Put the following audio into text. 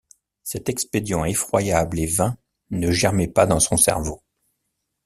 Cet expédient effroyable et vain ne germait pas dans son cerveau.